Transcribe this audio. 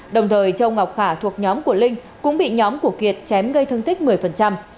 đồng thời châu ngọc khả thuộc nhóm của linh cũng bị nhóm của kiệt chém gây thương tích một mươi